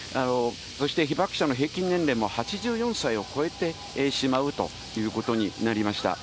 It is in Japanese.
そして、被爆者の平均年齢も８４歳を超えてしまうということになりました。